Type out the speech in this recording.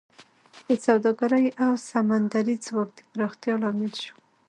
د سوداګرۍ او سمندري ځواک د پراختیا لامل شو